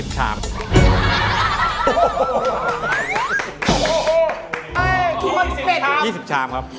๒๐ชามครับ